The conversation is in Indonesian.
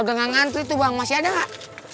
udah gak ngantri tuh bang masih ada gak